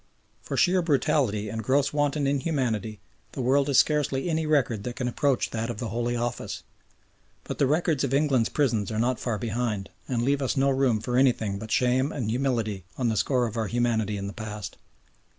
For sheer brutality and gross wanton inhumanity the world has scarcely any record that can approach that of the "Holy Office," but the records of England's prisons are not far behind, and leave us no room for anything but shame and humility on the score of our humanity in the past.